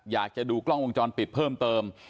อยากจะดูกล้องวงจรปิดเพิ่มเติม